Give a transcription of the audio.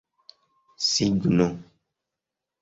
signo